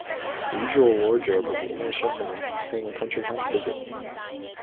The usual wardrobe of the English gentleman paying a country-house visit.